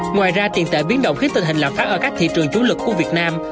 ngoài ra tiền tệ biến động khiến tình hình lạm phát ở các thị trường chủ lực của việt nam